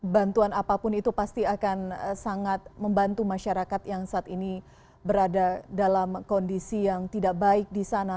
bantuan apapun itu pasti akan sangat membantu masyarakat yang saat ini berada dalam kondisi yang tidak baik di sana